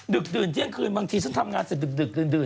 ดื่นเที่ยงคืนบางทีฉันทำงานเสร็จดึกดื่น